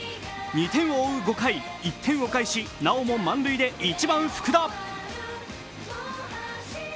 ２点を追う５回、１点を返しなおも満塁で１番・福田。